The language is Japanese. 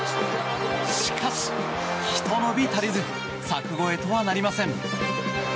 しかし、ひと伸び足りず柵越えとはなりません。